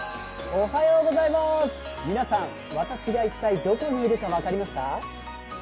皆さん、私が一体どこにいるか分かりますか？